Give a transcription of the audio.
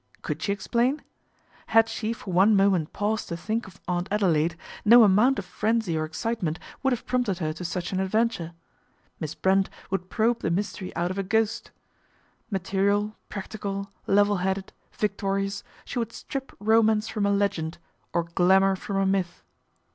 Could she explain ? Had she for one moment paused to think of Aunt Adelaide, no amount of frenzy or excitement would have prompted her to such an adventure. Miss Brent would probe the mys tery out of a ghost. Material, practical, level headed, victorious, she would strip romance from a legend, or glamour from a myth.